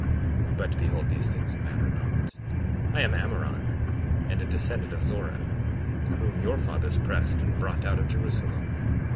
But behold these things matter not. 54:23 I am Ammoron, and a descendant of Zoram, whom your fathers pressed and brought out of Jerusalem.